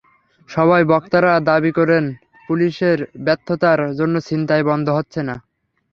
সভায় বক্তারা দাবি করেন, পুলিশের ব্যর্থতার জন্য ছিনতাই বন্ধ হচ্ছে না।